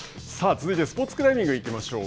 続いてスポーツクライミングにいきましょう。